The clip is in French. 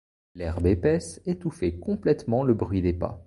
L’herbe épaisse étouffait complétement le bruit des pas.